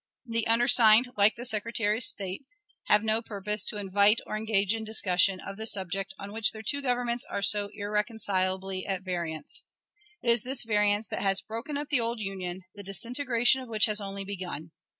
The undersigned, like the Secretary of State, have no purpose to "invite or engage in discussion" of the subject on which their two Governments are so irreconcilably at variance. It is this variance that has broken up the old Union, the disintegration of which has only begun.